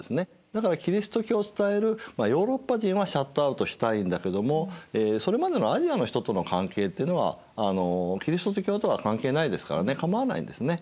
だからキリスト教を伝えるヨーロッパ人はシャットアウトしたいんだけどもそれまでのアジアの人との関係ってのはキリスト教とは関係ないですからねかまわないんですね。